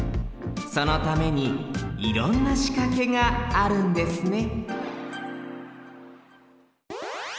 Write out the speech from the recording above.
そのためにいろんなしかけがあるんですね